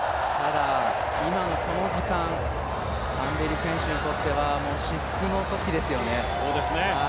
今のこの時間、タンベリ選手にとっては至福の時ですよね。